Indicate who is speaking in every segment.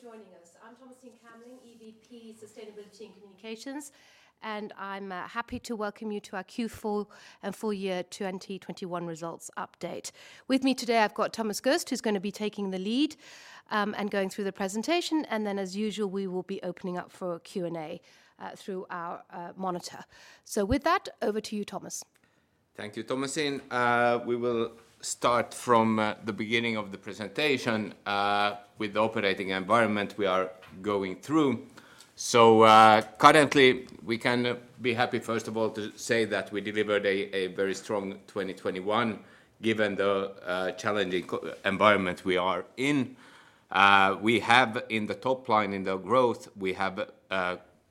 Speaker 1: Good morning, and thank you for joining us. I'm Thomasine Kamerling, EVP Sustainability and Communications, and I'm happy to welcome you to our Q4 and full year 2021 results update. With me today, I've got Thomas Geust, who's gonna be taking the lead and going through the presentation. As usual, we will be opening up for Q&A through our monitor. With that, over to you, Thomas.
Speaker 2: Thank you, Thomasine. We will start from the beginning of the presentation with the operating environment we are going through. Currently, we can be happy, first of all, to say that we delivered a very strong 2021 given the challenging environment we are in. We have in the top line, in the growth, we have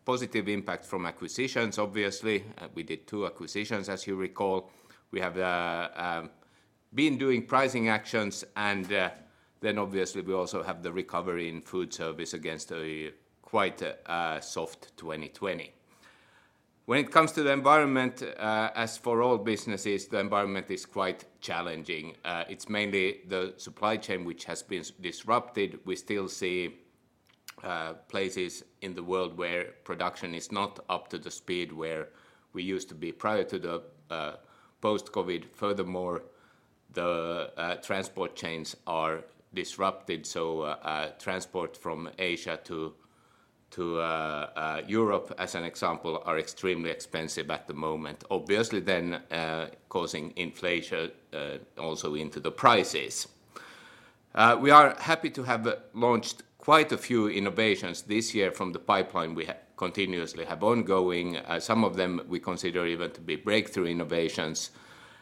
Speaker 2: positive impact from acquisitions, obviously. We did two acquisitions, as you recall. We have been doing pricing actions, and then obviously we also have the recovery in food service against a quite soft 2020. When it comes to the environment, as for all businesses, the environment is quite challenging. It's mainly the supply chain which has been disrupted. We still see places in the world where production is not up to the speed where we used to be prior to the post-COVID. Furthermore, the transport chains are disrupted, so transport from Asia to Europe, as an example, are extremely expensive at the moment, obviously then causing inflation also into the prices. We are happy to have launched quite a few innovations this year from the pipeline we continuously have ongoing. Some of them we consider even to be breakthrough innovations,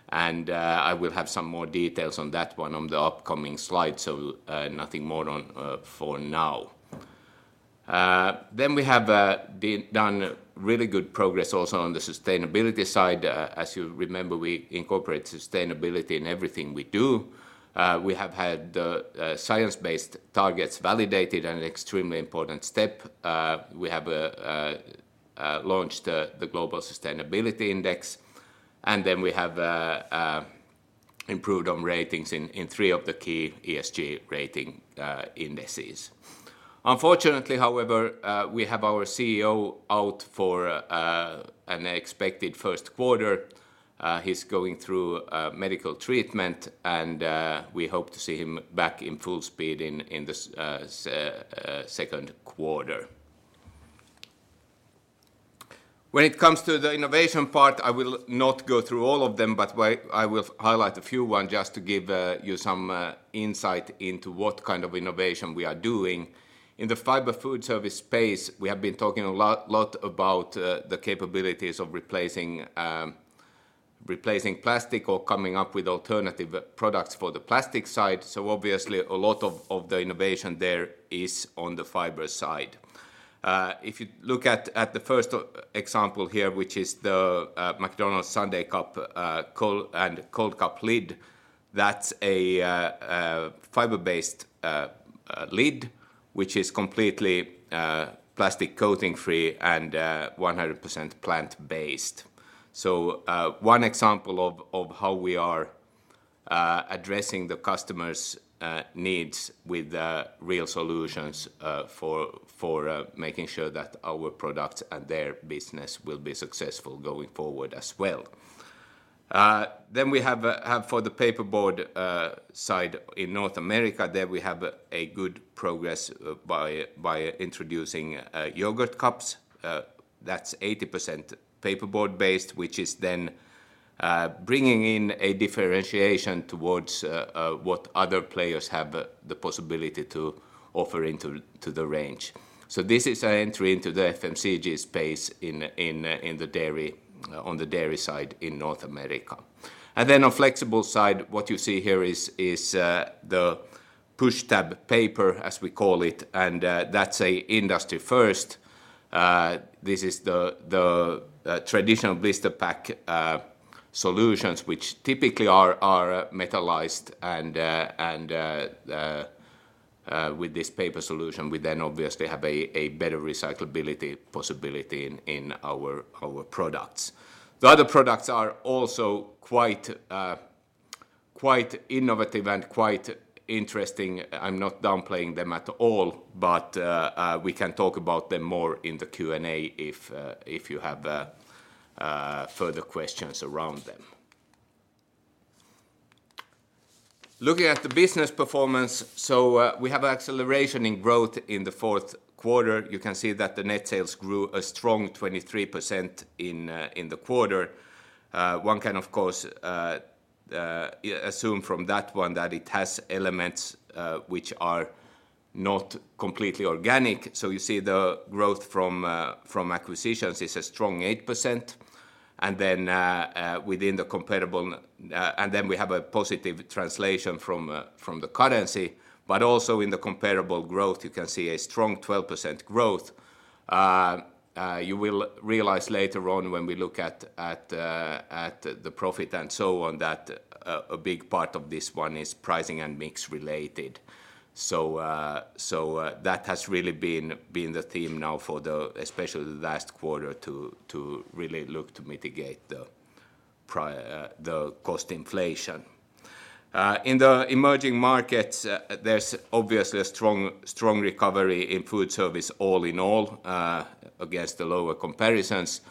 Speaker 2: and I will have some more details on that one on the upcoming slide, so nothing more on for now. We have done really good progress also on the sustainability side. As you remember, we incorporate sustainability in everything we do. We have had science-based targets validated, an extremely important step. We have launched the Global Sustainability Index, and then we have improved on ratings in three of the key ESG rating indices. Unfortunately, however, we have our CEO out for an expected Q1. He's going through medical treatment, and we hope to see him back in full speed in the Q2. When it comes to the innovation part, I will not go through all of them, but I will highlight a few one just to give you some insight into what kind of innovation we are doing. In the fiber food service space, we have been talking a lot about the capabilities of replacing plastic or coming up with alternative products for the plastic side. Obviously a lot of the innovation there is on the fiber side. If you look at the first example here, which is the McDonald's sundae cup, cold cup lid, that's a fiber-based lid, which is completely plastic coating-free and 100% plant-based. One example of how we are addressing the customers' needs with real solutions for making sure that our products and their business will be successful going forward as well. We have for the paperboard side in North America, there we have good progress by introducing yogurt cups. That's 80% paperboard-based, which is then bringing in a differentiation towards what other players have the possibility to offer into the range. This is an entry into the FMCG space in the dairy on the dairy side in North America. On flexible side, what you see here is the push tab paper, as we call it, and that's an industry first. This is the traditional blister pack solutions, which typically are metallized and with this paper solution, we then obviously have a better recyclability possibility in our products. The other products are also quite innovative and quite interesting. I'm not downplaying them at all, but we can talk about them more in the Q&A if you have further questions around them. Looking at the business performance, we have acceleration in growth in the Q4. You can see that the net sales grew a strong 23% in the quarter. One can of course assume from that one that it has elements which are not completely organic. You see the growth from acquisitions is a strong 8%. We have a positive translation from the currency, but also in the comparable growth, you can see a strong 12% growth. You will realize later on when we look at the profit and so on that a big part of this one is pricing and mix related. That has really been the theme now for especially the last quarter to really look to mitigate the cost inflation. In the emerging markets, there's obviously a strong recovery in food service all in all against the lower comparisons.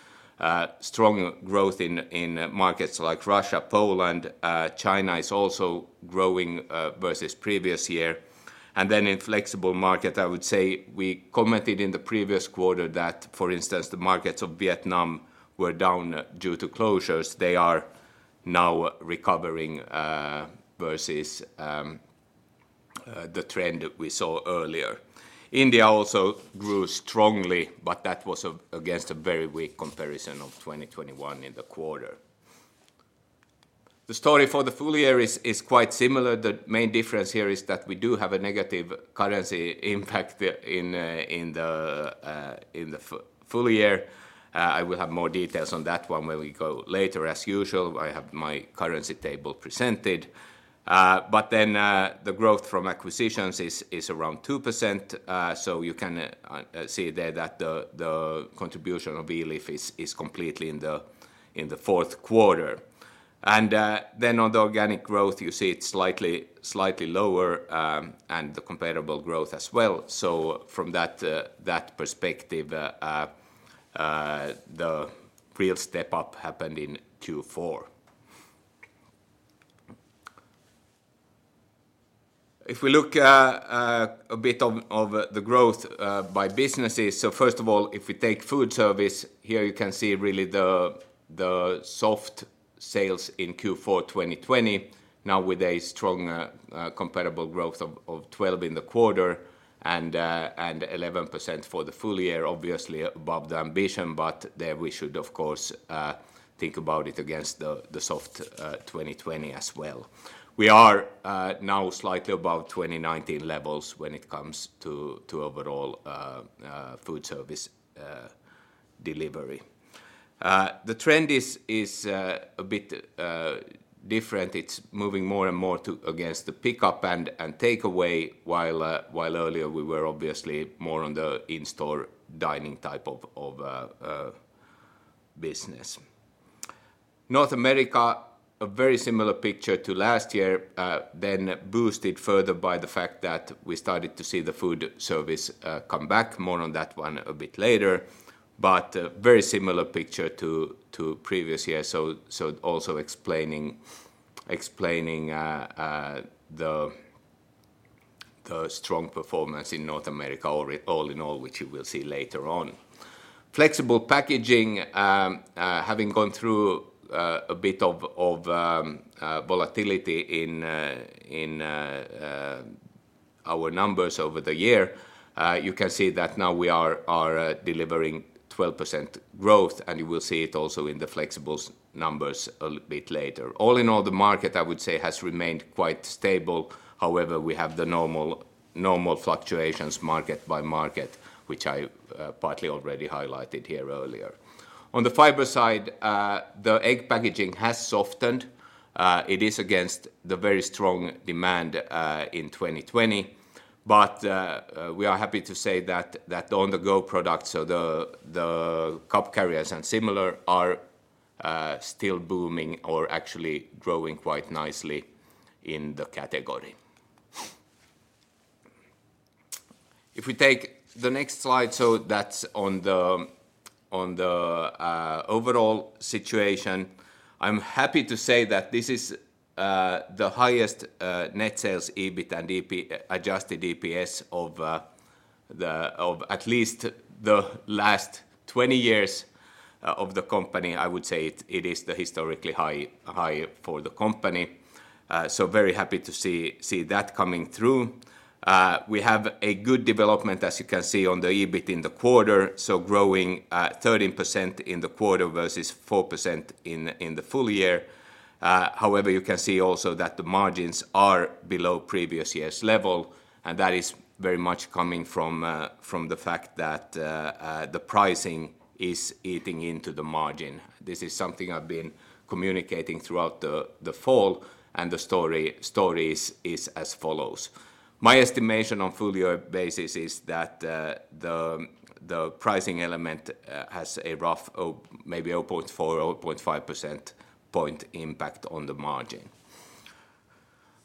Speaker 2: Strong growth in markets like Russia, Poland, China is also growing versus previous year. Then in flexible market, I would say we commented in the previous quarter that, for instance, the markets of Vietnam were down due to closures. They are now recovering versus the trend we saw earlier. India also grew strongly, but that was against a very weak comparison of 2021 in the quarter. The story for the full year is quite similar. The main difference here is that we do have a negative currency impact in the full year. I will have more details on that one when we go later as usual. I have my currency table presented. The growth from acquisitions is around 2%. You can see there that the contribution of Elif is completely in the Q4. On the organic growth, you see it's slightly lower, and the comparable growth as well. From that perspective, the real step up happened in Q4. If we look a bit at the growth by businesses, first of all, if we take food service, here you can see really the soft sales in Q4 2020. Now with a strong comparable growth of 12% in the quarter and 11% for the full year, obviously above the ambition, but there we should of course think about it against the soft 2020 as well. We are now slightly above 2019 levels when it comes to overall food service delivery. The trend is a bit different. It's moving more and more towards the pickup and takeaway, while earlier we were obviously more on the in-store dining type of business. North America, a very similar picture to last year, then boosted further by the fact that we started to see the foodservice come back. More on that one a bit later. Very similar picture to previous year. So also explaining the strong performance in North America overall in all, which you will see later on. Flexible Packaging, having gone through a bit of volatility in our numbers over the year, you can see that now we are delivering 12% growth, and you will see it also in the flexibles numbers a bit later. All in all, the market, I would say, has remained quite stable. However, we have the normal fluctuations market by market, which I partly already highlighted here earlier. On the Fiber side, the egg packaging has softened. It is against the very strong demand in 2020. We are happy to say that on-the-go products, so the cup carriers and similar, are still booming or actually growing quite nicely in the category. If we take the next slide, that's on the overall situation. I'm happy to say that this is the highest net sales, EBIT and EBIT-adjusted EPS of at least the last 20 years of the company. I would say it is the historically high for the company. Very happy to see that coming through. We have a good development, as you can see, on the EBIT in the quarter, so growing 13% in the quarter versus 4% in the full year. However, you can see also that the margins are below previous year's level, and that is very much coming from the fact that the pricing is eating into the margin. This is something I've been communicating throughout the fall, and the story is as follows. My estimation on full-year basis is that the pricing element has a roughly maybe 0.4, 0.5 percentage point impact on the margin.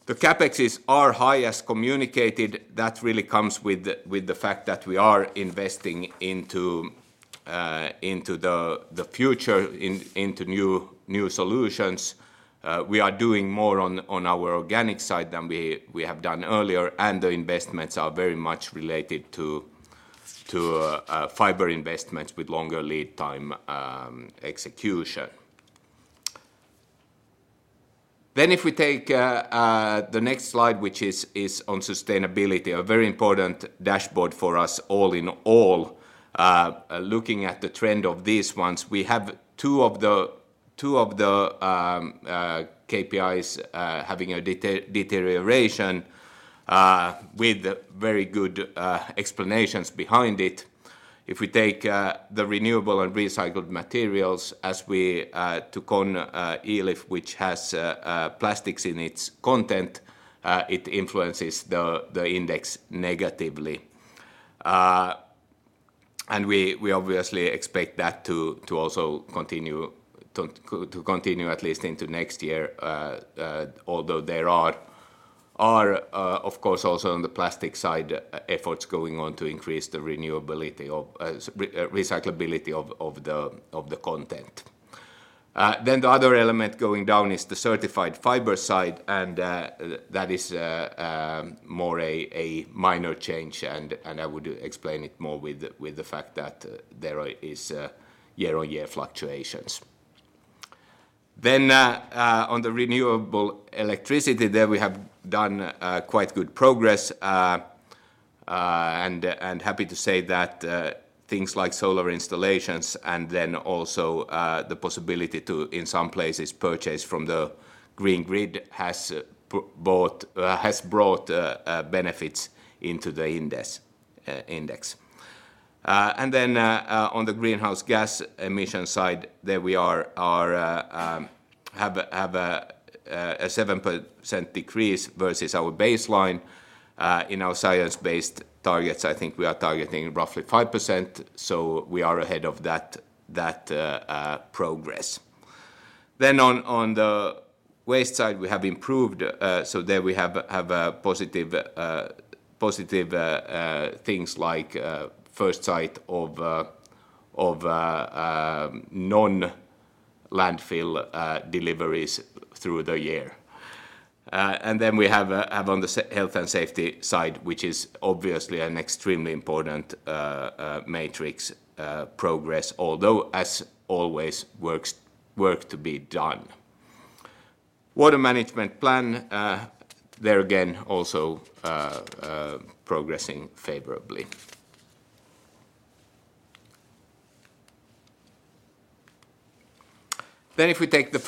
Speaker 2: The CapExes are high as communicated. That really comes with the fact that we are investing into the future, into new solutions. We are doing more on our organic side than we have done earlier, and the investments are very much related to fiber investments with longer lead time execution. If we take the next slide, which is on sustainability, a very important dashboard for us all in all, looking at the trend of these ones, we have two of the KPIs having a deterioration with very good explanations behind it. If we take the renewable and recycled materials, as we took on Elif, which has plastics in its content, it influences the index negatively. We obviously expect that to also continue at least into next year, although there are, of course, also on the plastic side efforts going on to increase the renewability or recyclability of the content. The other element going down is the certified fiber side, and that is more a minor change and I would explain it more with the fact that there are year-on-year fluctuations. On the renewable electricity, there we have done quite good progress, and happy to say that things like solar installations and then also the possibility to in some places purchase from the green grid has brought benefits into the index. On the greenhouse gas emission side, there we have a 7% decrease versus our baseline. In our science-based targets, I think we are targeting roughly 5%, so we are ahead of that progress. On the waste side, we have improved, so there we have positive things like first sign of non-landfill deliveries through the year. We have on the health and safety side, which is obviously an extremely important metric, progress although, as always, work to be done. Water management plan, there again also progressing favorably. If we take the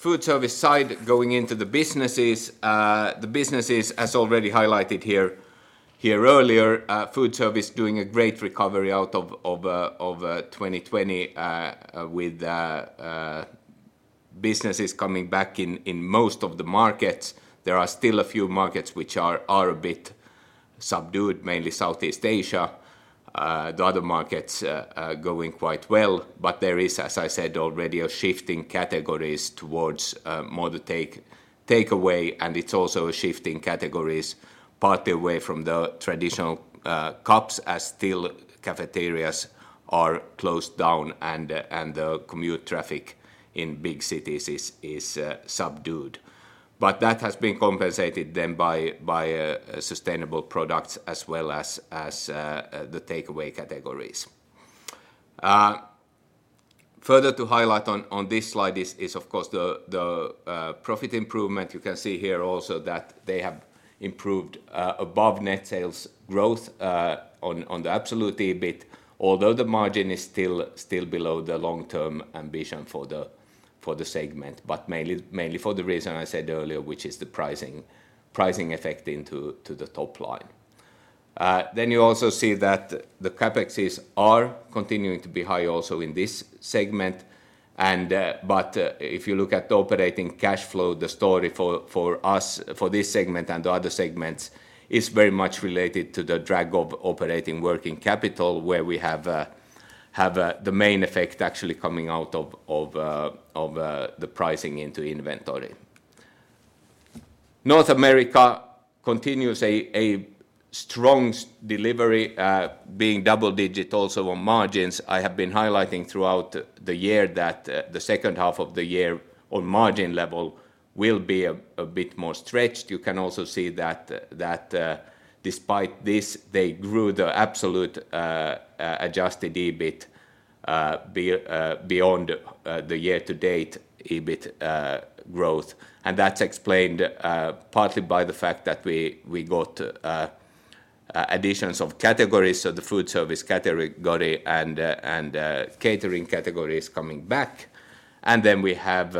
Speaker 2: foodservice side going into the businesses, the businesses as already highlighted here earlier, foodservice doing a great recovery out of 2020, with businesses coming back in most of the markets. There are still a few markets which are a bit subdued, mainly Southeast Asia. The other markets going quite well. There is, as I said already, a shift in categories towards more takeaway, and it is also a shift in categories partly away from the traditional cups as cafeterias are still closed down and the commute traffic in big cities is subdued. That has been compensated by sustainable products as well as the takeaway categories. Further to highlight on this slide is of course the profit improvement. You can see here also that they have improved above net sales growth on the absolute EBIT, although the margin is still below the long-term ambition for the segment, but mainly for the reason I said earlier, which is the pricing effect into the top line. Then you also see that the CapEx are continuing to be high also in this segment, but if you look at the operating cash flow, the story for us, for this segment and the other segments is very much related to the drag of operating working capital, where we have the main effect actually coming out of the pricing into inventory. North America continues a strong delivery, being double digit also on margins. I have been highlighting throughout the year that the second half of the year on margin level will be a bit more stretched. You can also see that despite this, they grew the absolute adjusted EBIT beyond the year-to-date EBIT growth, and that's explained partly by the fact that we got additions of categories, so the food service category and catering categories coming back. Then we have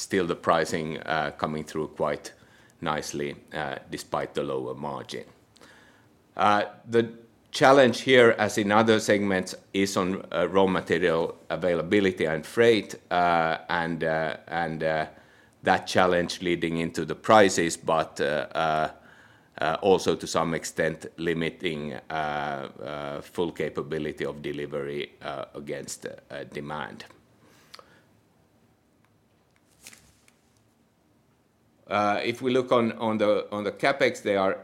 Speaker 2: still the pricing coming through quite nicely despite the lower margin. The challenge here, as in other segments, is on raw material availability and freight, and that challenge leading into the prices but also to some extent limiting full capability of delivery against demand. If we look on the CapEx, they are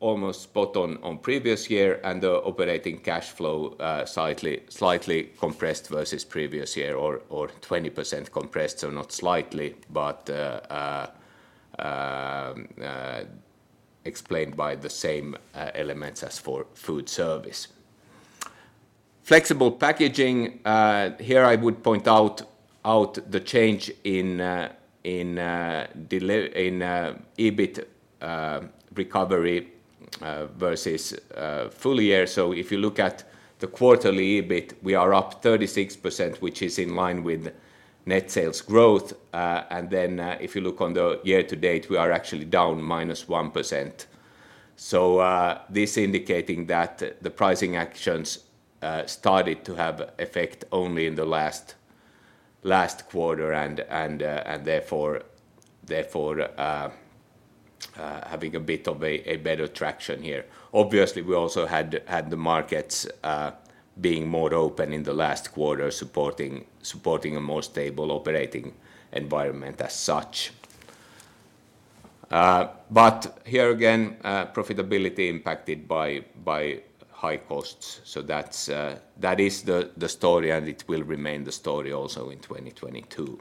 Speaker 2: almost spot on previous year and the operating cash flow slightly compressed versus previous year or 20% compressed, so not slightly, but explained by the same elements as for foodservice. Flexible Packaging, here I would point out the change in EBIT recovery versus full year. If you look at the quarterly EBIT, we are up 36%, which is in line with net sales growth, and then if you look on the year-to-date, we are actually down -1%, this indicating that the pricing actions started to have effect only in the last quarter and therefore having a bit of a better traction here. Obviously, we also had the markets being more open in the last quarter supporting a more stable operating environment as such. But here again, profitability impacted by high costs. That's the story and it will remain the story also in 2022.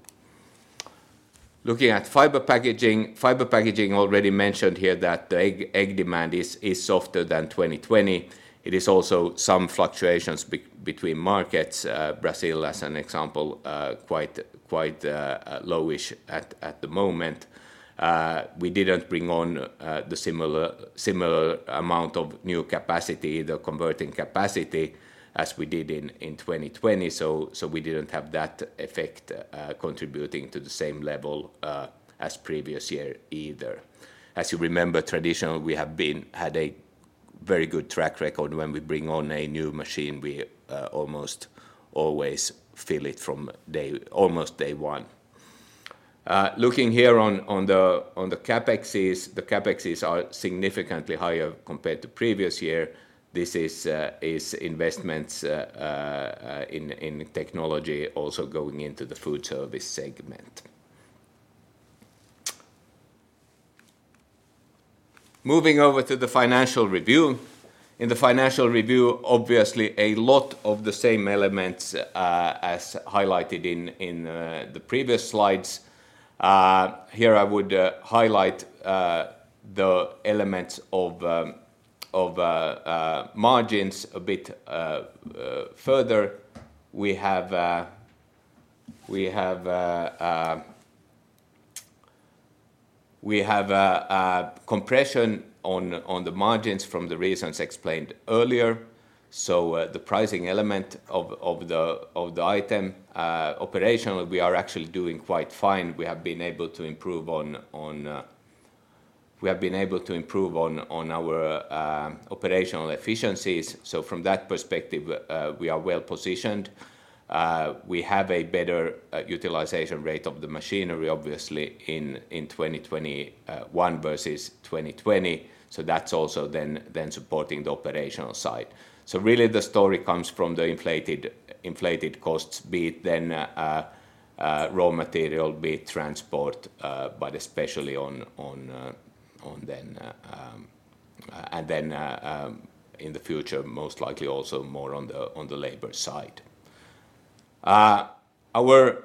Speaker 2: Looking at Fiber Packaging, already mentioned here that egg demand is softer than 2020. It is also some fluctuations between markets, Brazil as an example, quite low-ish at the moment. We didn't bring on the similar amount of new capacity, the converting capacity, as we did in 2020. We didn't have that effect contributing to the same level as previous year either. As you remember, traditionally, we have had a very good track record when we bring on a new machine, we almost always fill it from almost day one. Looking here on the CapEx, the CapEx is significantly higher compared to previous year. This is investments in technology also going into the food service segment. Moving over to the financial review. In the financial review, obviously a lot of the same elements as highlighted in the previous slides. Here I would highlight the elements of margins a bit further. We have a compression on the margins from the reasons explained earlier. The pricing element of the item operationally, we are actually doing quite fine. We have been able to improve on our operational efficiencies. From that perspective, we are well-positioned. We have a better utilization rate of the machinery, obviously, in 2021 versus 2020. That's also supporting the operational side. Really the story comes from the inflated costs, be it raw material, be it transport, but especially in the future, most likely also more on the labor side. Our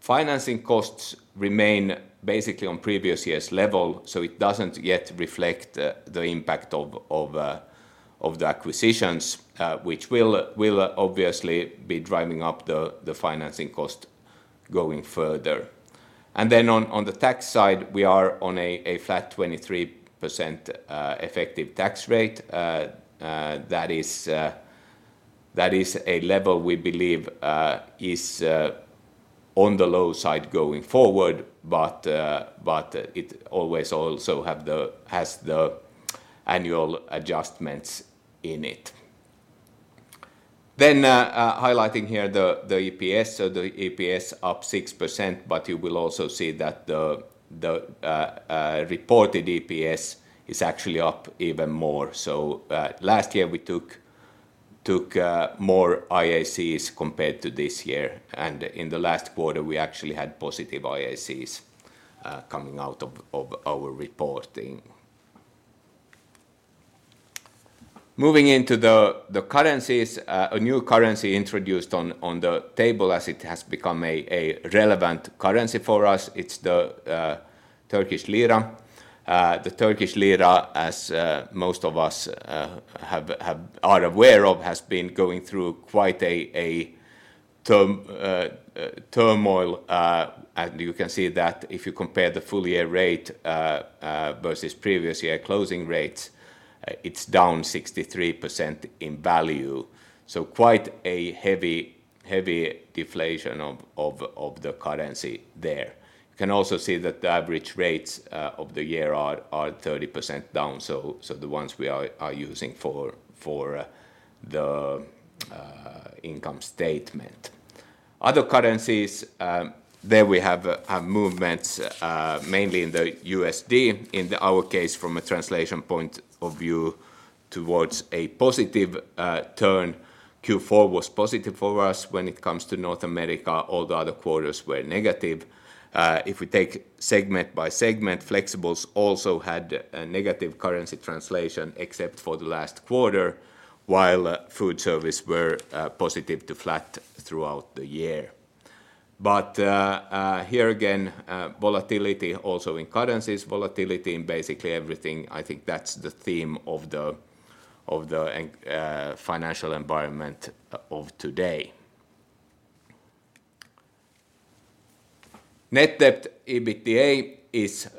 Speaker 2: financing costs remain basically on previous year's level, so it doesn't yet reflect the impact of the acquisitions, which will obviously be driving up the financing cost going further. On the tax side, we are on a flat 23% effective tax rate. That is a level we believe is on the low side going forward, but it always also has the annual adjustments in it. Highlighting here the EPS. The EPS up 6%, but you will also see that the reported EPS is actually up even more. Last year, we took more IACs compared to this year, and in the last quarter, we actually had positive IACs coming out of our reporting. Moving into the currencies, a new currency introduced on the table as it has become a relevant currency for us, it's the Turkish lira. The Turkish lira, as most of us are aware of, has been going through quite a turmoil, and you can see that if you compare the full-year rate versus previous year closing rates, it's down 63% in value. Quite a heavy deflation of the currency there. You can also see that the average rates of the year are 30% down, so the ones we are using for the income statement. Other currencies, there we have movements mainly in the USD. In our case from a translation point of view towards a positive turn. Q4 was positive for us when it comes to North America, all the other quarters were negative. If we take segment by segment, Flexibles also had a negative currency translation except for the last quarter, while foodservice were positive to flat throughout the year. Here again, volatility also in currencies, volatility in basically everything. I think that's the theme of the financial environment of today. Net debt/EBITDA is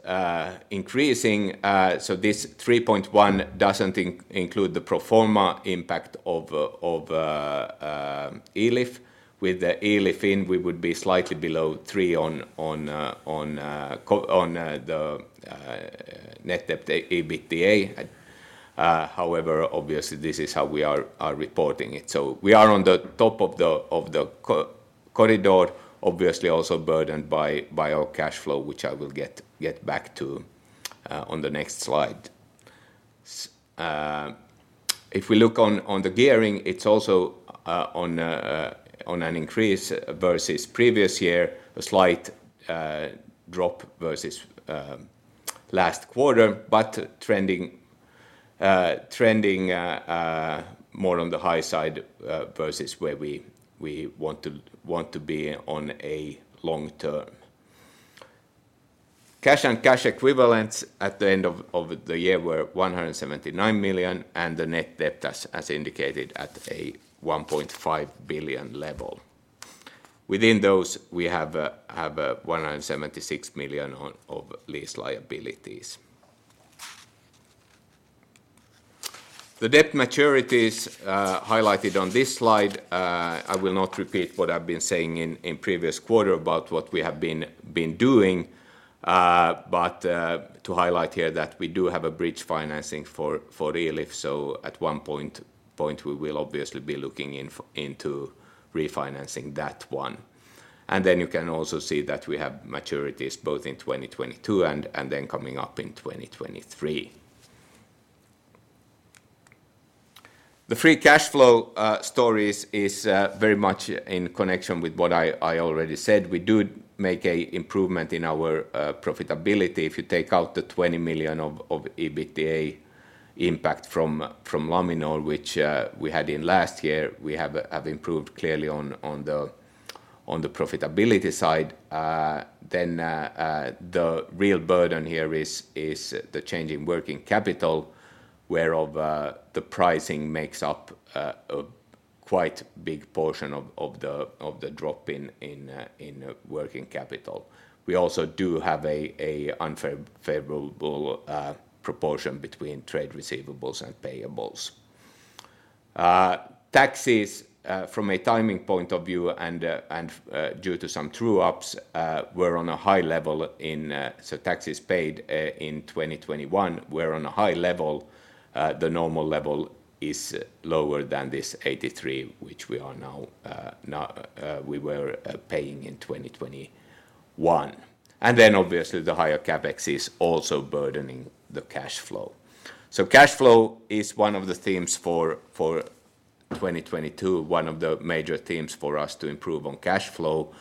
Speaker 2: increasing, so this 3.1 doesn't include the pro forma impact of Elif. With Elif in, we would be slightly below 3 on the net debt/EBITDA. However, obviously this is how we are reporting it. We are on the top of the corridor, obviously also burdened by our cash flow, which I will get back to on the next slide. If we look on the gearing, it's also on an increase versus previous year, a slight drop versus last quarter, but trending more on the high side versus where we want to be on a long term. Cash and cash equivalents at the end of the year were 179 million, and the net debt, as indicated, at a 1.5 billion level. Within those, we have 176 million of lease liabilities. The debt maturities highlighted on this slide, I will not repeat what I've been saying in previous quarter about what we have been doing, but to highlight here that we do have a bridge financing for Elif, so at one point we will obviously be looking into refinancing that one. You can also see that we have maturities both in 2022 and then coming up in 2023. The free cash flow story is very much in connection with what I already said. We do make an improvement in our profitability. If you take out the 20 million of EBITDA impact from Laminor, which we had in last year, we have improved clearly on the profitability side. The real burden here is the change in working capital, where the pricing makes up a quite big portion of the drop in working capital. We also do have a unfavorable proportion between trade receivables and payables. Taxes, from a timing point of view and due to some true ups, were on a high level in 2021. Taxes paid in 2021 were on a high level. The normal level is lower than this 83 million, which we were paying in 2021. Obviously the higher CapEx is also burdening the cash flow. Cash flow is one of the themes for 2022, one of the major themes for us to improve on cash flow,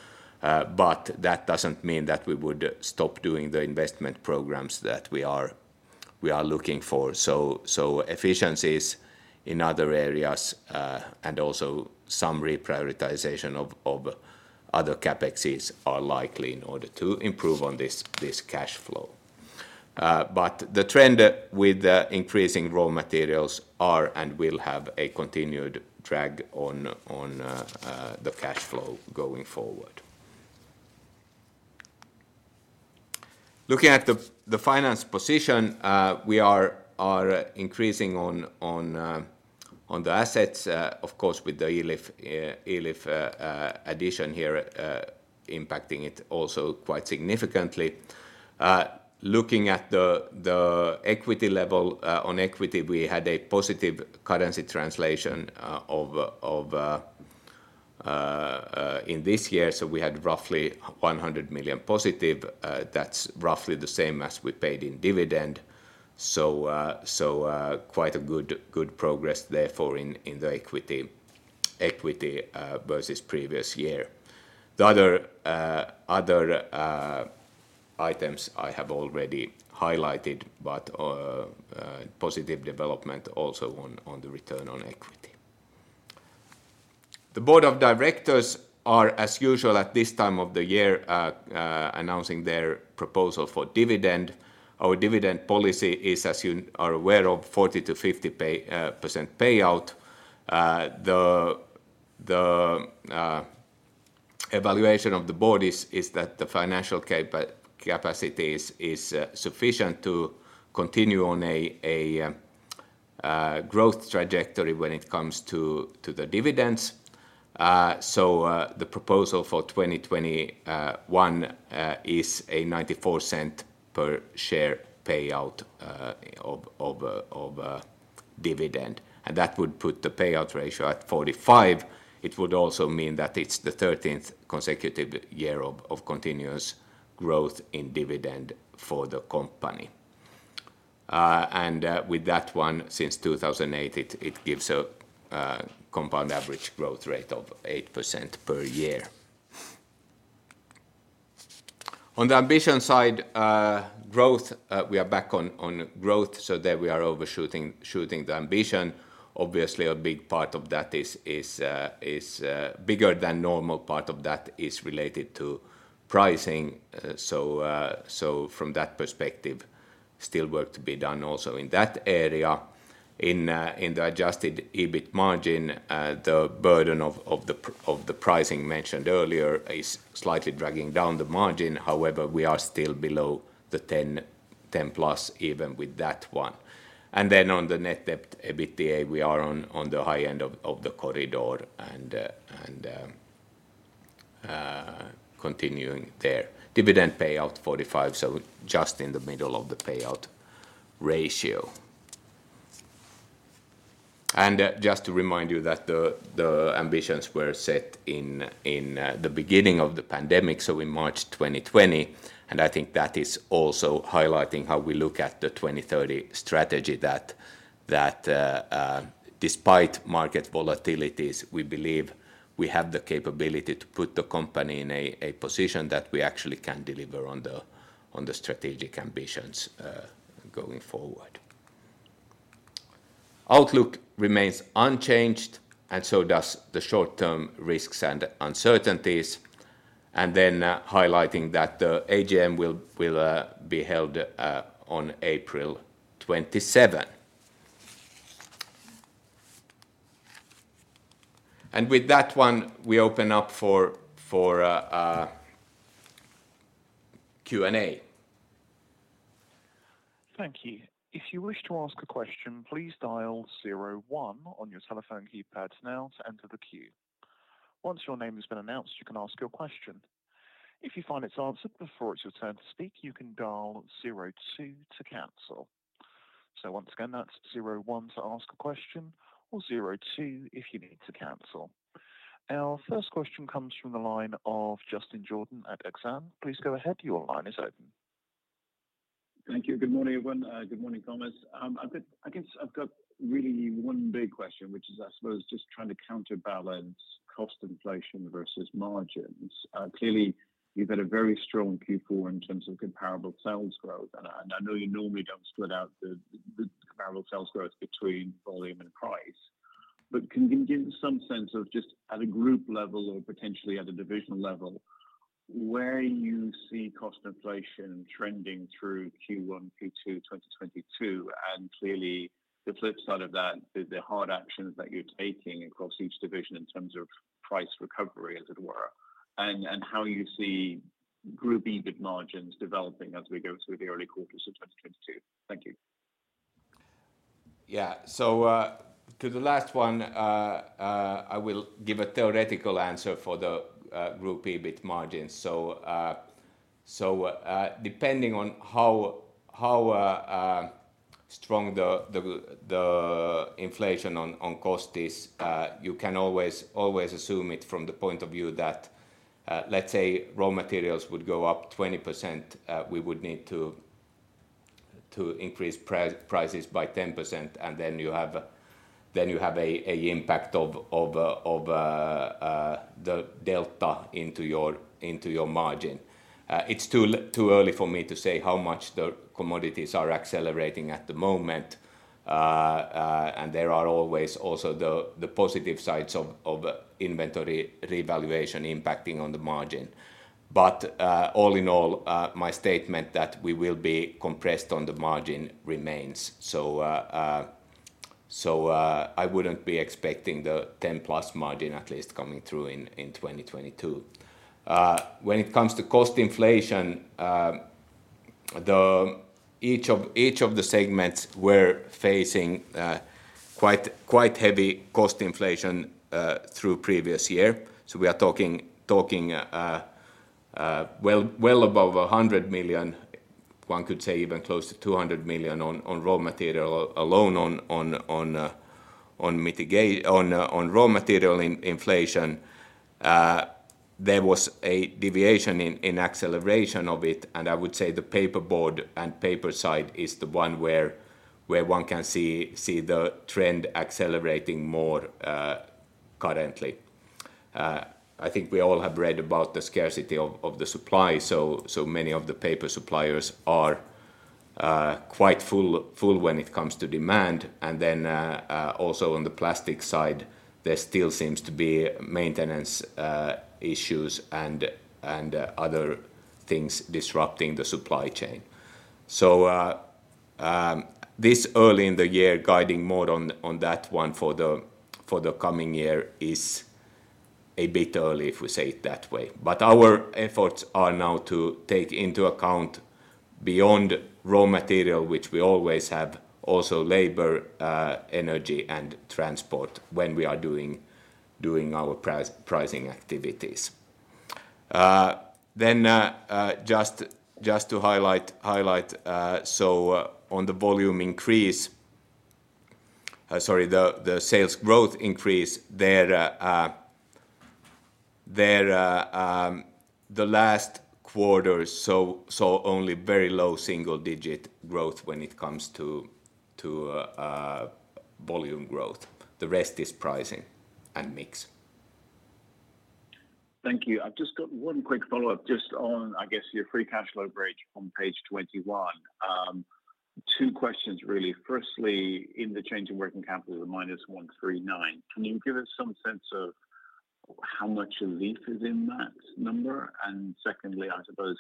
Speaker 2: but that doesn't mean that we would stop doing the investment programs that we are looking for. Efficiencies in other areas, and also some reprioritization of other CapExes are likely in order to improve on this cash flow. But the trend with the increasing raw materials are and will have a continued drag on the cash flow going forward. Looking at the finance position, we are increasing on the assets, of course with the Elif addition here, impacting it also quite significantly. Looking at the equity level. On equity, we had a positive currency translation in this year. We had roughly 100 million positive. That's roughly the same as we paid in dividend. Quite a good progress therefore in the equity versus previous year. The other items I have already highlighted, but positive development also on the return on equity. The board of directors are, as usual at this time of the year, announcing their proposal for dividend. Our dividend policy is, as you are aware of, 40% to 50% payout. The evaluation of the board is that the financial capacity is sufficient to continue on a growth trajectory when it comes to the dividends. The proposal for 2021 is a 0.94 per share payout of dividend. That would put the payout ratio at 45%. It would also mean that it's the 13th consecutive year of continuous growth in dividend for the company. With that one since 2008, it gives a compound average growth rate of 8% per year. On the ambition side, we are back on growth, so there we are overshooting the ambition. Obviously, a bigger than normal part of that is related to pricing. From that perspective, still work to be done also in that area. In the adjusted EBIT margin, the burden of the pricing mentioned earlier is slightly dragging down the margin. However, we are still below the 10+ even with that one. On the net debt/EBITDA, we are on the high end of the corridor and continuing there. Dividend payout 45%, just in the middle of the payout ratio. Just to remind you that the ambitions were set in the beginning of the pandemic, so in March 2020. I think that is also highlighting how we look at the 2030 strategy that despite market volatilities, we believe we have the capability to put the company in a position that we actually can deliver on the strategic ambitions going forward. Outlook remains unchanged, and so does the short-term risks and uncertainties. Highlighting that the AGM will be held on April 27. With that one, we open up for Q&A.
Speaker 3: Thank you. If you wish to ask a question, please dial zero-one on your telephone keypads now to enter the queue. Once your name has been announced, you can ask your question. If you find it's answered before it's your turn to speak, you can dial zero-two to cancel. Once again, that's zero-one to ask a question or zero-two if you need to cancel. Our first question comes from the line of Justin Jordan at Exane. Please go ahead, your line is open.
Speaker 4: Thank you. Good morning, everyone. Good morning, Thomas. I guess I've got really one big question, which is, I suppose, just trying to counterbalance cost inflation versus margins. Clearly you've had a very strong Q4 in terms of comparable sales growth. I know you normally don't split out the comparable sales growth between volume and price. Can you give some sense of just at a group level or potentially at a divisional level, where you see cost inflation trending through Q1, Q2 2022? Clearly the flip side of that is the hard actions that you're taking across each division in terms of price recovery, as it were, and how you see group EBIT margins developing as we go through the early quarters of 2022. Thank you.
Speaker 2: Yeah. To the last one, I will give a theoretical answer for the group EBIT margins. Depending on how strong the inflation on cost is, you can always assume it from the point of view that, let's say raw materials would go up 20%, we would need to increase prices by 10%, and then you have an impact of the delta into your margin. It's too early for me to say how much the commodities are accelerating at the moment. There are always also the positive sides of inventory revaluation impacting on the margin. All in all, my statement that we will be compressed on the margin remains. I wouldn't be expecting the 10%+ margin at least coming through in 2022. When it comes to cost inflation, each of the segments we're facing quite heavy cost inflation through previous year. We are talking well above 100 million, one could say even close to 200 million on raw material alone on raw material inflation. There was a deviation in acceleration of it, and I would say the paperboard and paper side is the one where one can see the trend accelerating more currently. I think we all have read about the scarcity of the supply, so many of the paper suppliers are quite full when it comes to demand. Also on the plastic side, there still seems to be maintenance issues and other things disrupting the supply chain. This early in the year, guiding more on that one for the coming year is a bit early, if we say it that way. Our efforts are now to take into account beyond raw material, which we always have, also labor, energy, and transport when we are doing our pricing activities. Just to highlight so on the volume increase. Sorry, the sales growth increase there, the last quarter saw only very low single-digit growth when it comes to volume growth. The rest is pricing and mix.
Speaker 4: Thank you. I've just got one quick follow-up just on, I guess, your free cash flow bridge on page 21. Two questions really. Firstly, in the change in working capital of -139, can you give us some sense of how much relief is in that number? Secondly, I suppose,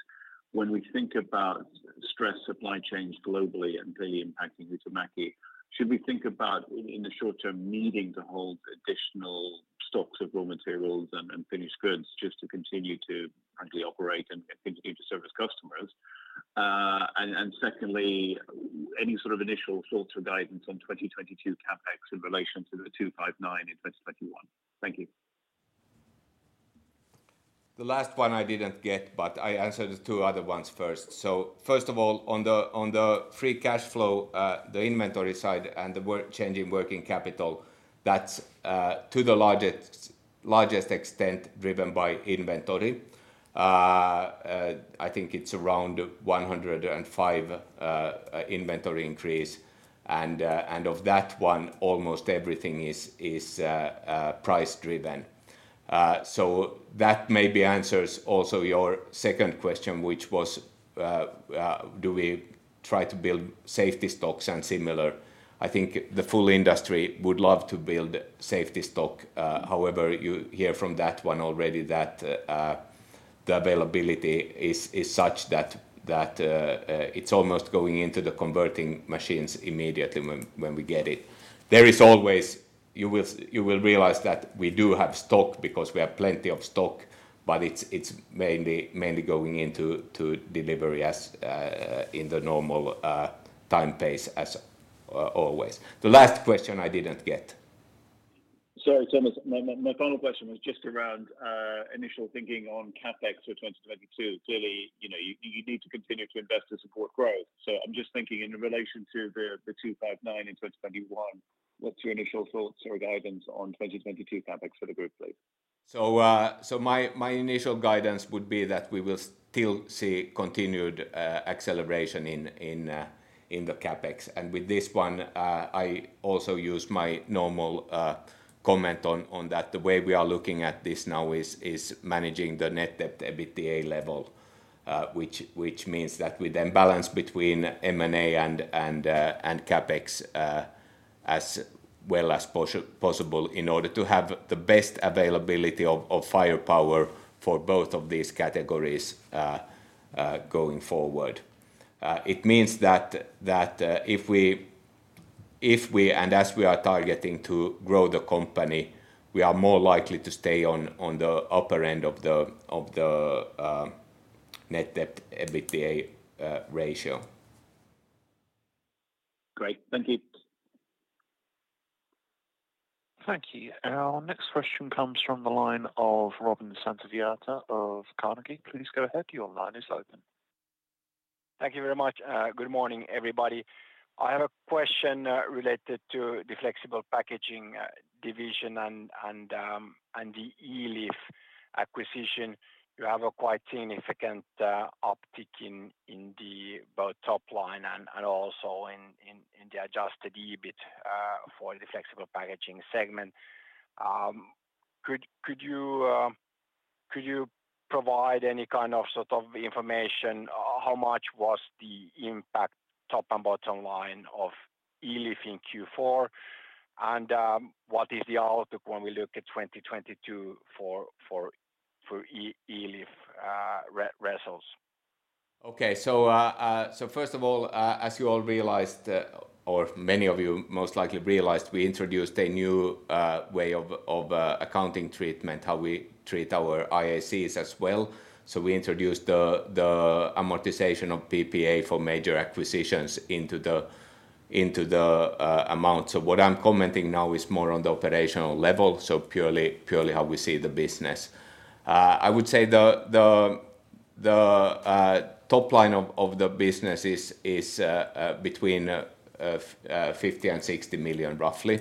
Speaker 4: when we think about stressed supply chains globally and really impacting Huhtamäki, should we think about in the short term needing to hold additional stocks of raw materials and finished goods just to continue to actually operate and continue to service customers? Secondly, any sort of initial thoughts or guidance on 2022 CapEx in relation to the 259 in 2021? Thank you.
Speaker 2: The last one I didn't get, but I answer the two other ones first. First of all, on the free cash flow, the inventory side and the change in working capital, that's to the largest extent driven by inventory. I think it's around 105 inventory increase and of that one, almost everything is price driven. So that maybe answers also your second question, which was, do we try to build safety stocks and similar? I think the full industry would love to build safety stock. However, you hear from that one already that the availability is such that it's almost going into the converting machines immediately when we get it. There is always. You will realize that we do have stock because we have plenty of stock, but it's mainly going into delivery as in the normal time pace as always. The last question I didn't get.
Speaker 4: Sorry, Thomas. My final question was just around initial thinking on CapEx for 2022. Clearly, you know, you need to continue to invest to support growth. I'm just thinking in relation to the 259 in 2021, what's your initial thoughts or guidance on 2022 CapEx for the group, please?
Speaker 2: My initial guidance would be that we will still see continued acceleration in the CapEx. With this one, I also use my normal comment on that. The way we are looking at this now is managing the net debt/EBITDA level, which means that we then balance between M&A and CapEx, as well as possible in order to have the best availability of firepower for both of these categories going forward. It means that as we are targeting to grow the company, we are more likely to stay on the upper end of the net debt/EBITDA ratio.
Speaker 4: Great. Thank you.
Speaker 3: Thank you. Our next question comes from the line of Robin Santavirta of Carnegie. Please go ahead. Your line is open.
Speaker 5: Thank you very much. Good morning, everybody. I have a question related to the Flexible Packaging division and the Elif acquisition. You have a quite significant uptick in both top line and also in the adjusted EBIT for the Flexible Packaging segment. Could you provide any kind of sort of information how much was the impact top and bottom line of Elif in Q4? What is the outlook when we look at 2022 for Elif results?
Speaker 2: Okay. First of all, as you all realized, or many of you most likely realized, we introduced a new way of accounting treatment, how we treat our IACs as well. We introduced the amortization of PPA for major acquisitions into the amounts. What I'm commenting now is more on the operational level, purely how we see the business. I would say the top line of the business is between 50 million and 60 million, roughly.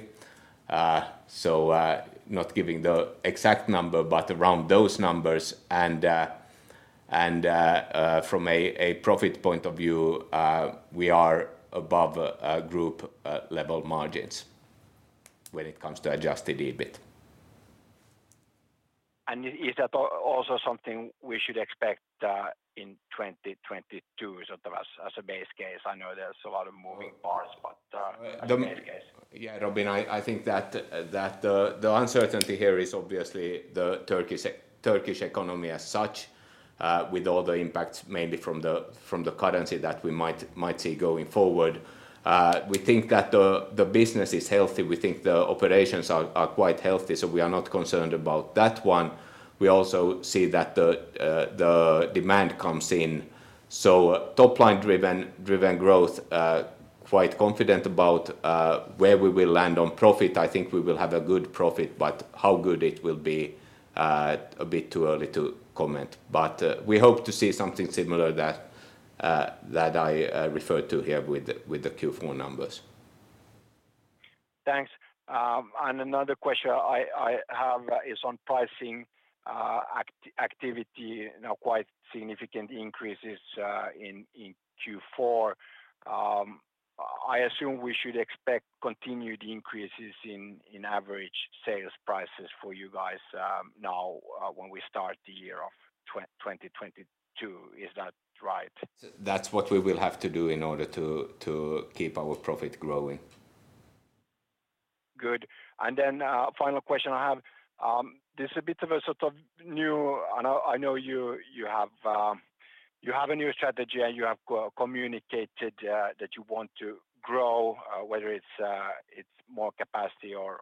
Speaker 2: Not giving the exact number, but around those numbers. From a profit point of view, we are above group level margins when it comes to adjusted EBIT.
Speaker 5: Is that also something we should expect in 2022 sort of as a base case? I know there's a lot of moving parts. As a base case.
Speaker 2: Yeah, Robin, I think that the uncertainty here is obviously the Turkish economy as such, with all the impacts mainly from the currency that we might see going forward. We think that the business is healthy. We think the operations are quite healthy, so we are not concerned about that one. We also see that the demand comes in, so top line-driven growth, quite confident about where we will land on profit. I think we will have a good profit, but how good it will be, a bit too early to comment. We hope to see something similar that I referred to here with the Q4 numbers.
Speaker 5: Thanks. Another question I have is on pricing activity. Quite significant increases in Q4. I assume we should expect continued increases in average sales prices for you guys, now, when we start the year of 2022. Is that right?
Speaker 2: That's what we will have to do in order to keep our profit growing.
Speaker 5: Good. Final question I have. This is a bit of a sort of new. I know you have, you have a new strategy, and you have co-communicated, that you want to grow, whether it's more capacity or,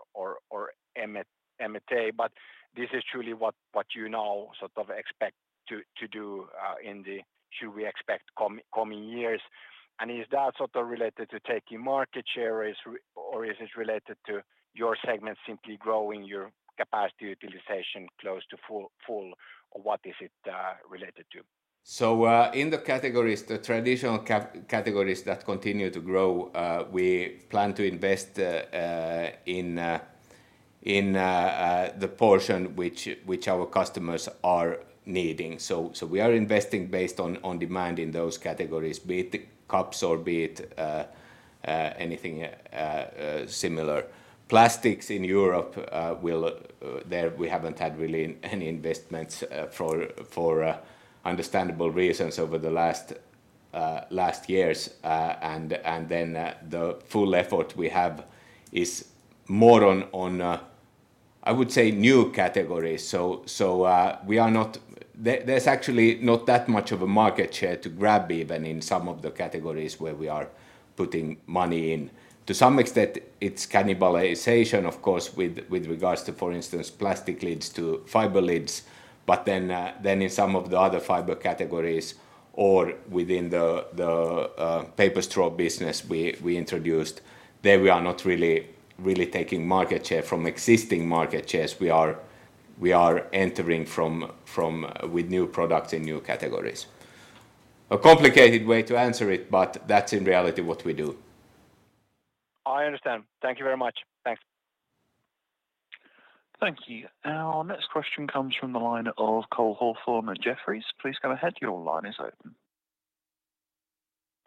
Speaker 5: M&A, but this is truly what you now sort of expect to do, in the should we expect coming years. Is that sort of related to taking market share? Or is this related to your segment simply growing your capacity utilization close to full? Or what is it, related to?
Speaker 2: In the categories, the traditional categories that continue to grow, we plan to invest in the portion which our customers are needing. We are investing based on demand in those categories, be it cups or be it anything similar. Plastics in Europe will. There we haven't had really any investments for understandable reasons over the last years. The full effort we have is more on, I would say, new categories. There's actually not that much of a market share to grab even in some of the categories where we are putting money in. To some extent, it's cannibalization, of course, with regards to, for instance, plastic lids to fiber lids. In some of the other fiber categories or within the paper straw business we introduced, there we are not really taking market share from existing market shares. We are entering with new products in new categories. A complicated way to answer it, but that's in reality what we do.
Speaker 5: I understand. Thank you very much. Thanks.
Speaker 3: Thank you. Our next question comes from the line of Cole Hathorn at Jefferies. Please go ahead. Your line is open.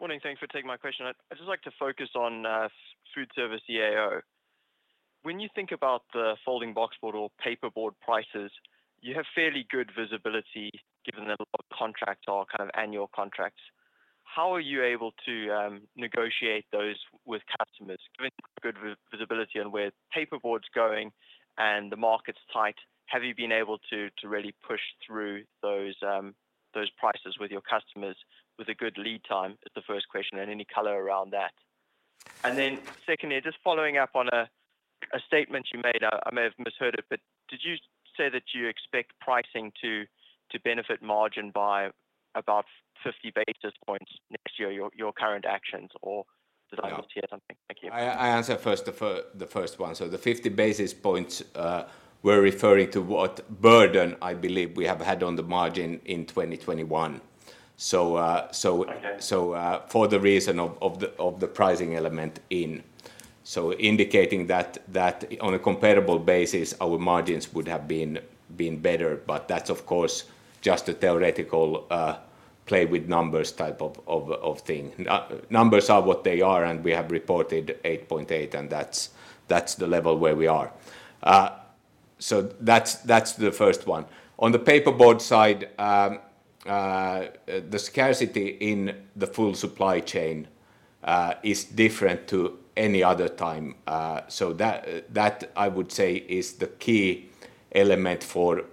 Speaker 6: Morning. Thanks for taking my question. I'd just like to focus on food service EAO. When you think about the folding boxboard or paperboard prices, you have fairly good visibility given that a lot of contracts are kind of annual contracts. How are you able to negotiate those with customers, given good visibility on where paperboard's going and the market's tight? Have you been able to really push through those prices with your customers with a good lead time? That is the first question, and any color around that. Then secondly, just following up on a statement you made, I may have misheard it, but did you say that you expect pricing to benefit margin by about 50 basis points next year, your current actions, or did I misunderstand something? Thank you.
Speaker 2: I answer first the first one. The 50 basis points we're referring to the burden I believe we have had on the margin in 2021.
Speaker 6: Okay
Speaker 2: For the reason of the pricing element in, indicating that on a comparable basis, our margins would have been better. That's of course just a theoretical play with numbers type of thing. Numbers are what they are, and we have reported 8.8%, and that's the level where we are. That's the first one. On the paperboard side, the scarcity in the full supply chain is different to any other time. That I would say is the key element for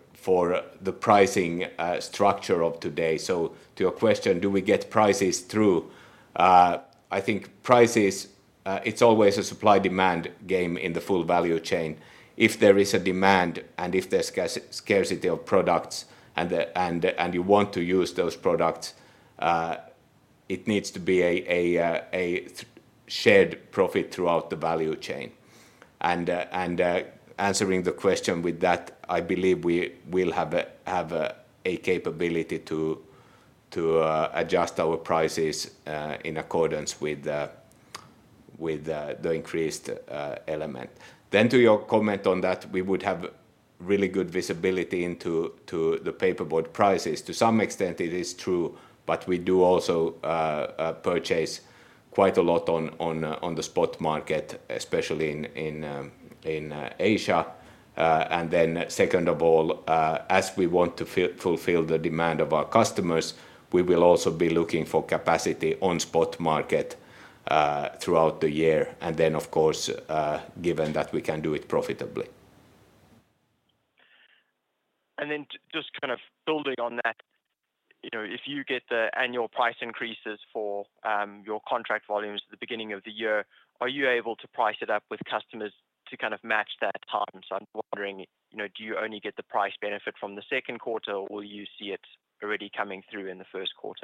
Speaker 2: the pricing structure of today. To your question, do we get prices through? I think prices, it's always a supply demand game in the full value chain. If there is a demand, and if there's scarcity of products and you want to use those products, it needs to be a shared profit throughout the value chain. Answering the question with that, I believe we will have a capability to adjust our prices in accordance with the increased element. To your comment on that we would have really good visibility into the paperboard prices. To some extent it is true, but we do also purchase quite a lot on the spot market, especially in Asia, as we want to fulfill the demand of our customers, we will also be looking for capacity on spot market throughout the year. Of course, given that we can do it profitably.
Speaker 6: Just kind of building on that, you know, if you get the annual price increases for your contract volumes at the beginning of the year, are you able to price it up with customers to kind of match that time? I'm wondering, you know, do you only get the price benefit from the Q2, or will you see it already coming through in the Q1?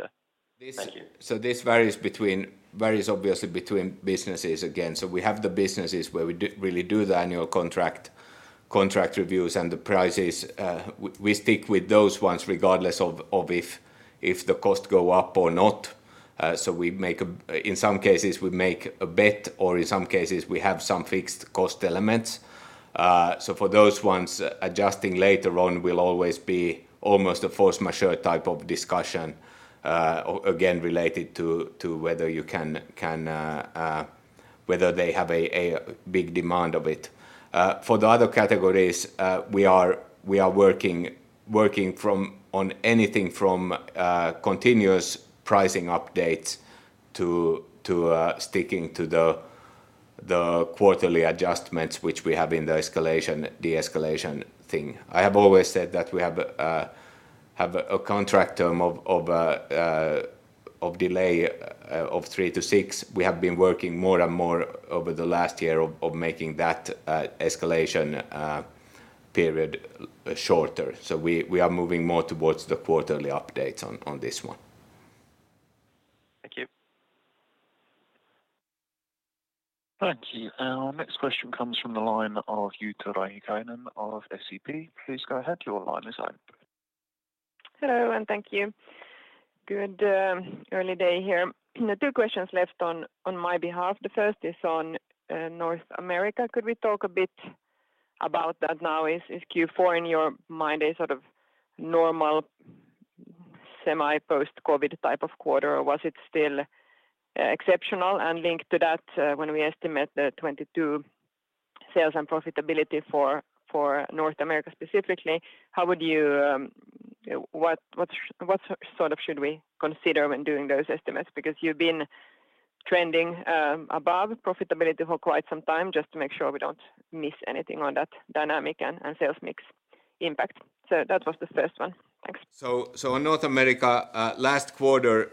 Speaker 6: Thank you.
Speaker 2: This varies obviously between businesses again. We have the businesses where we really do the annual contract reviews and the prices. We stick with those ones regardless of if the cost go up or not. In some cases, we make a bet or in some cases we have some fixed cost elements. For those ones, adjusting later on will always be almost a force majeure type of discussion, again, related to whether they have a big demand of it. For the other categories, we are working on anything from continuous pricing updates to sticking to the quarterly adjustments, which we have in the escalation, de-escalation thing. I have always said that we have a contract term of three to six. We have been working more and more over the last year on making that escalation period shorter. We are moving more towards the quarterly updates on this one.
Speaker 6: Thank you.
Speaker 3: Thank you. Our next question comes from the line of Jutta Rahikainen of SEB. Please go ahead. Your line is open.
Speaker 7: Hello, thank you. Good early day here. Two questions left on my behalf. The first is on North America. Could we talk a bit about that now? Is Q4 in your mind a sort of normal semi post-COVID type of quarter or was it still exceptional? Linked to that, when we estimate the 2022 sales and profitability for North America specifically, what sort of should we consider when doing those estimates? Because you've been trending above profitability for quite some time, just to make sure we don't miss anything on that dynamic and sales mix impact. That was the first one. Thanks.
Speaker 2: In North America, last quarter,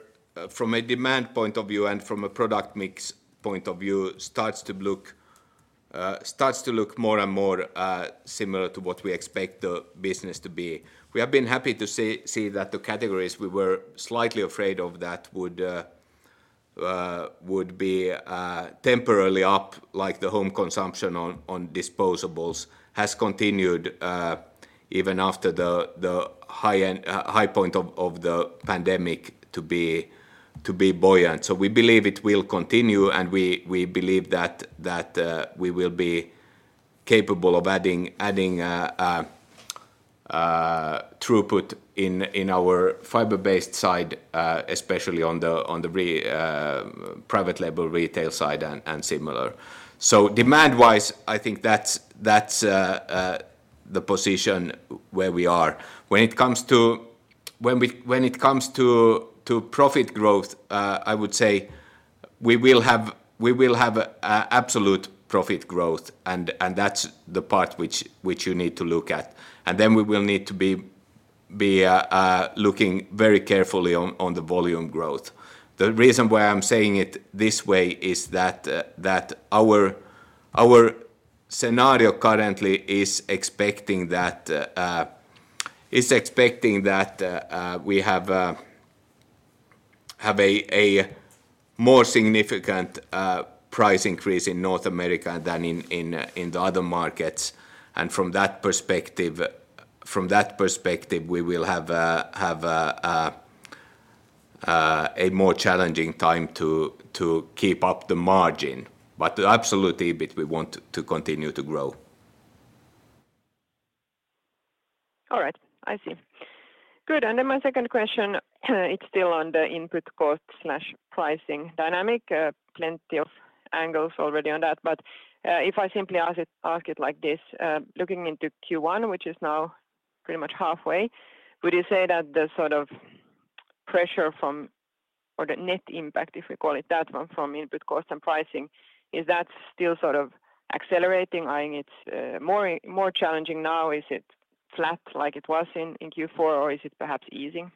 Speaker 2: from a demand point of view and from a product mix point of view starts to look more and more similar to what we expect the business to be. We have been happy to see that the categories we were slightly afraid of that would be temporarily up, like the home consumption on disposables has continued even after the high point of the pandemic to be buoyant. We believe it will continue and we believe that we will be capable of adding throughput in our fiber-based side, especially on the private label retail side and similar. Demand-wise, I think that's the position where we are. When it comes to profit growth, I would say we will have absolute profit growth and that's the part which you need to look at. Then we will need to be looking very carefully on the volume growth. The reason why I'm saying it this way is that our scenario currently is expecting that we have a more significant price increase in North America than in the other markets. From that perspective, we will have a more challenging time to keep up the margin. Absolutely, EBIT we want to continue to grow.
Speaker 7: All right. I see. Good. My second question, it's still on the input cost/pricing dynamic. Plenty of angles already on that. If I simply ask it like this, looking into Q1, which is now pretty much halfway, would you say that the sort of pressure from or the net impact, if we call it that one, from input cost and pricing, is that still sort of accelerating? I mean, it's more challenging now. Is it flat like it was in Q4 or is it perhaps easing?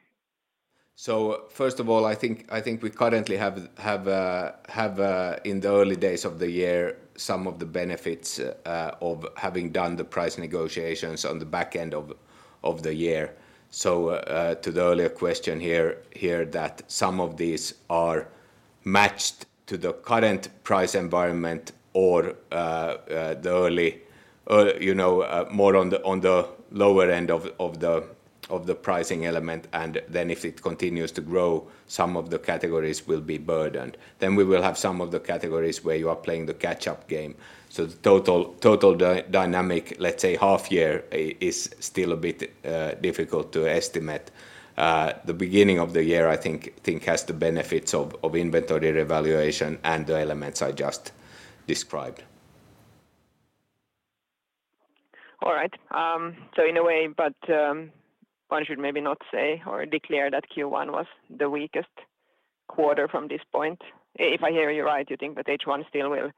Speaker 2: First of all, I think we currently have in the early days of the year some of the benefits of having done the price negotiations on the back end of the year. To the earlier question here that some of these are matched to the current price environment or the early, you know, more on the lower end of the pricing element. If it continues to grow, some of the categories will be burdened. We will have some of the categories where you are playing the catch-up game. The total dynamic, let's say half year, is still a bit difficult to estimate. The beginning of the year, I think has the benefits of inventory revaluation and the elements I just described.
Speaker 7: All right. So in a way, one should maybe not say or declare that Q1 was the weakest quarter from this point. If I hear you right, you think that H1 still will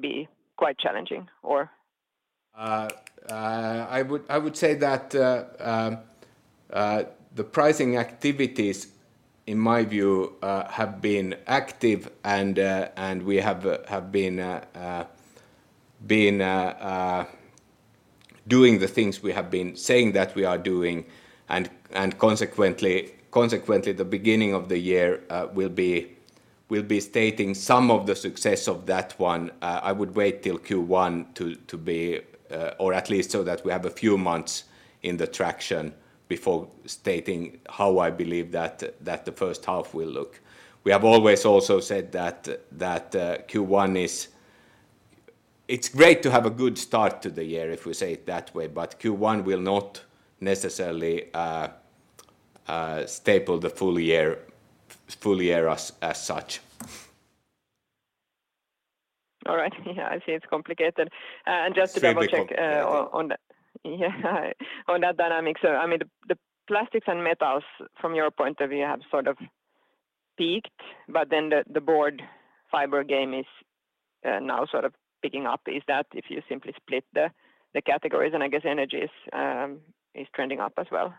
Speaker 7: be quite challenging or?
Speaker 2: I would say that the pricing activities in my view have been active and we have been doing the things we have been saying that we are doing. Consequently the beginning of the year will be stating some of the success of that one. I would wait till Q1 to be or at least so that we have a few months in the traction before stating how I believe that the first half will look. We have always also said that Q1 is. It's great to have a good start to the year if we say it that way, but Q1 will not necessarily shape the full year as such.
Speaker 7: All right. Yeah, I see it's complicated. Just to double-check.
Speaker 2: Slightly complicated.
Speaker 7: Yeah. On that dynamic. I mean, the plastics and metals from your point of view have sort of peaked, but then the broad fiber game is, and now sort of picking up. Is that if you simply split the categories, and I guess energy is trending up as well.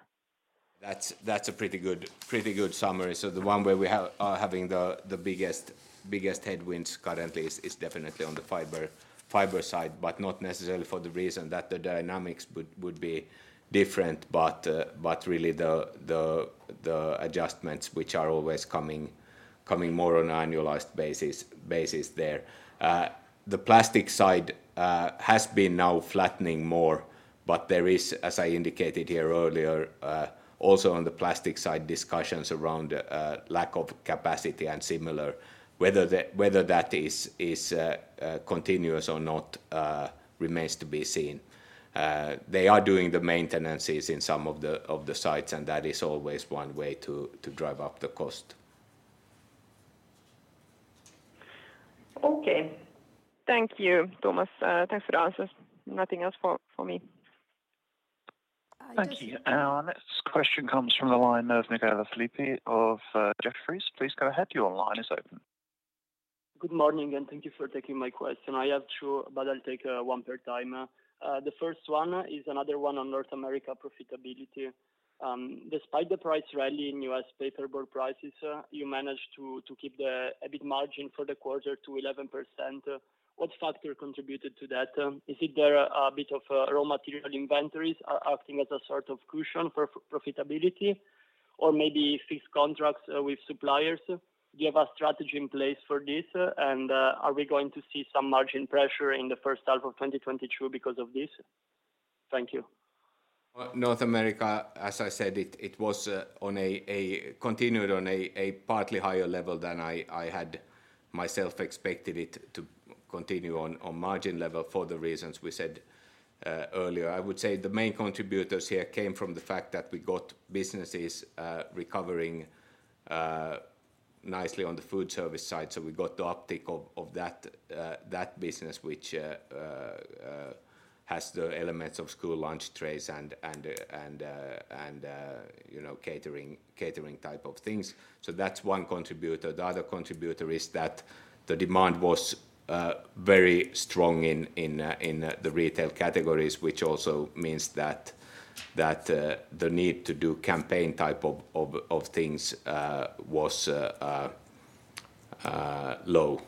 Speaker 2: That's a pretty good summary. The one where we are having the biggest headwinds currently is definitely on the fiber side, but not necessarily for the reason that the dynamics would be different, but really the adjustments which are always coming more on an annualized basis there. The plastic side has been now flattening more, but there is, as I indicated here earlier, also on the plastic side discussions around lack of capacity and similar. Whether that is continuous or not remains to be seen. They are doing the maintenances in some of the sites, and that is always one way to drive up the cost.
Speaker 7: Okay. Thank you, Thomas. Thanks for the answers. Nothing else for me.
Speaker 3: Thank you. Our next question comes from the line of Michele Filippi of Jefferies. Please go ahead, your line is open.
Speaker 8: Good morning, and thank you for taking my question. I have two, but I'll take one at a time. The first one is another one on North America profitability. Despite the price rally in U.S. paperboard prices, you managed to keep the EBIT margin for the quarter to 11%. What factor contributed to that? Is there a bit of raw material inventories acting as a sort of cushion for profitability, or maybe fixed contracts with suppliers? Do you have a strategy in place for this? Are we going to see some margin pressure in the first half of 2022 because of this? Thank you.
Speaker 2: Well, North America, as I said, it was on a partly higher level than I had myself expected it to continue on margin level for the reasons we said earlier. I would say the main contributors here came from the fact that we got businesses recovering nicely on the food service side. We got the uptick of that business which has the elements of school lunch trays and you know, catering type of things. That's one contributor. The other contributor is that the demand was very strong in the retail categories, which also means that the need to do campaign type of things was low.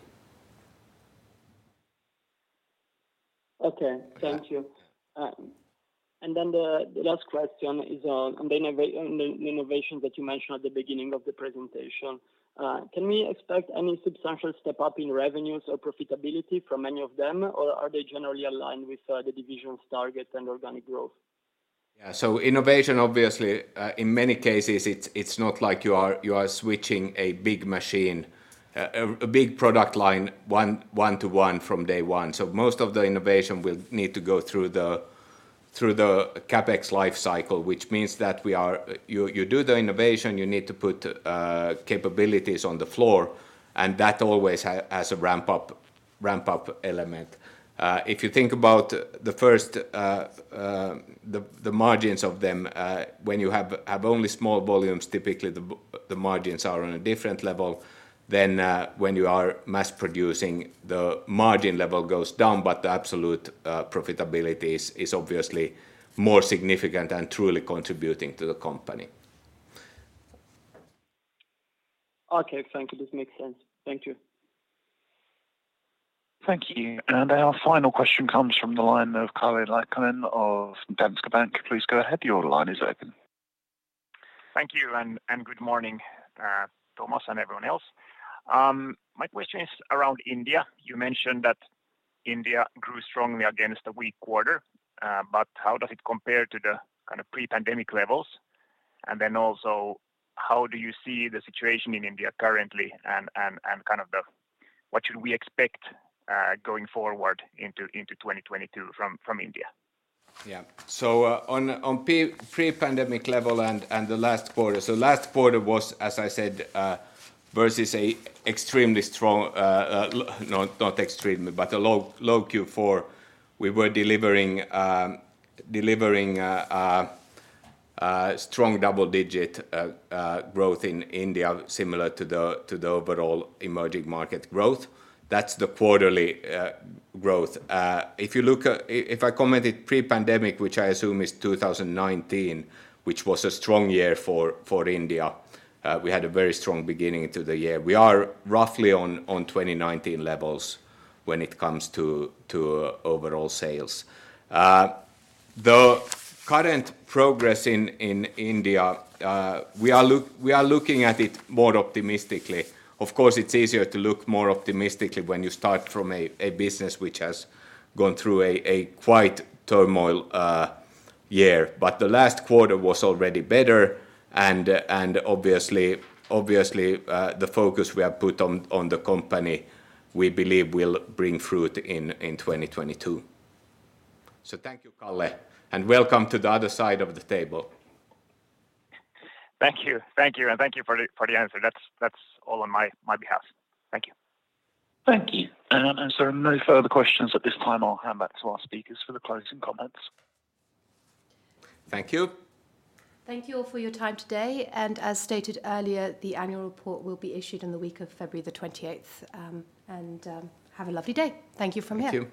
Speaker 8: Okay. Thank you. The last question is on the innovation that you mentioned at the beginning of the presentation. Can we expect any substantial step up in revenues or profitability from any of them, or are they generally aligned with the division's targets and organic growth?
Speaker 2: Yeah. Innovation, obviously, in many cases, it's not like you are switching a big machine a big product line one to one from day one. Most of the innovation will need to go through the CapEx life cycle, which means that you do the innovation, you need to put capabilities on the floor, and that always has a ramp-up element. If you think about the first, the margins of them when you have only small volumes, typically the margins are on a different level than when you are mass producing, the margin level goes down, but the absolute profitability is obviously more significant and truly contributing to the company.
Speaker 8: Okay. Thank you. This makes sense. Thank you.
Speaker 3: Thank you. Our final question comes from the line of Kalle Laakkonen of Danske Bank. Please go ahead, your line is open.
Speaker 9: Thank you, good morning, Thomas Geust and everyone else. My question is around India. You mentioned that India grew strongly against a weak quarter, but how does it compare to the kind of pre-pandemic levels? Then also, how do you see the situation in India currently and kind of what should we expect going forward into 2022 from India?
Speaker 2: On pre-pandemic level and the last quarter. Last quarter was, as I said, versus a low Q4. We were delivering strong double-digit growth in India, similar to the overall emerging market growth. That's the quarterly growth. If you look at. If I commented pre-pandemic, which I assume is 2019, which was a strong year for India, we had a very strong beginning to the year. We are roughly on 2019 levels when it comes to overall sales. The current progress in India, we are looking at it more optimistically. Of course, it's easier to look more optimistically when you start from a business which has gone through a quite turmoil year. The last quarter was already better, and obviously the focus we have put on the company, we believe will bring fruit in 2022. Thank you, Kalle, and welcome to the other side of the table.
Speaker 9: Thank you. Thank you, and thank you for the answer. That's all on my behalf. Thank you.
Speaker 3: Thank you. As there are no further questions at this time, I'll hand back to our speakers for the closing comments.
Speaker 2: Thank you.
Speaker 1: Thank you all for your time today. As stated earlier, the annual report will be issued in the week of February the 28th. Have a lovely day. Thank you from here.
Speaker 2: Thank you.